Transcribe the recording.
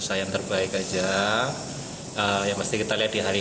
eko akan menorehkan prestasi tersendiri dengan mampu terus menyembangkan medali